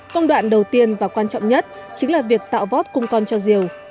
công đoạn đầu tiên và quan trọng nhất chính là việc tạo vót cung con cho rìu